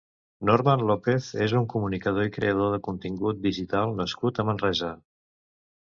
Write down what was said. Norman López és un comunicador i creador de contingut digital nascut a Manresa.